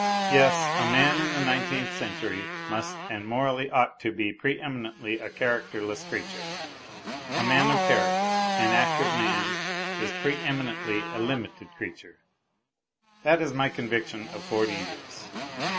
Yes, a man in the nineteenth century must and morally ought to be pre eminently a characterless creature ; a man of character, an active man is pre eminently a limited creature. That is my conviction of forty years.